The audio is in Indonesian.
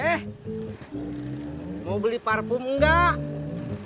eh mau beli parfum enggak